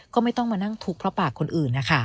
ก็ไม่ต้องมานั่งทุกข์เพราะปากคนอื่นนะคะ